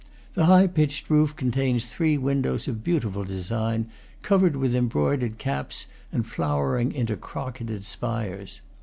The high pitched roof contains three windows of beautiful design, covered with embroidered caps and flowering into crocketed spires.